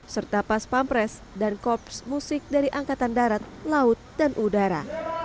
serta pas pampres dan korps musik dari angkatan darat laut dan udara